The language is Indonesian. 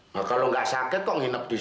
nah kalau gak sakit kok nginep dia